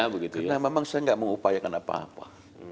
karena memang saya tidak mengupayakan apa apa